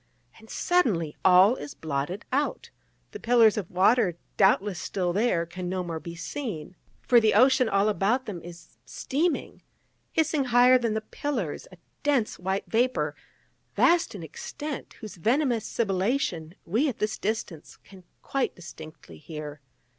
And suddenly, all is blotted out: the pillars of water, doubtless still there, can no more be seen: for the ocean all about them is steaming, hissing higher than the pillars a dense white vapour, vast in extent, whose venomous sibilation we at this distance can quite distinctly hear.